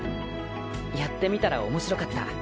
やってみたらおもしろかった。